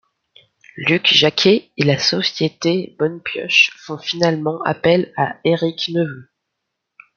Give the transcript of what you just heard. Luc Jacquet et la société Bonne Pioche font finalement appel à Éric Neveux.